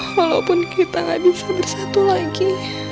walaupun kita gak bisa bersatu lagi